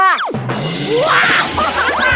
้าววววจ้ะอะไร